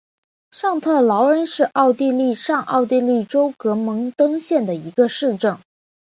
上特劳恩是奥地利上奥地利州格蒙登县的一个市镇。